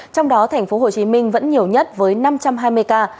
trong đó thành phố hồ chí minh vẫn nhiều nhất với năm trăm hai mươi ca